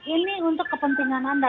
ini untuk kepentingan anda